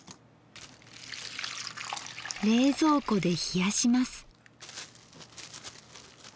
冷蔵庫で冷やします。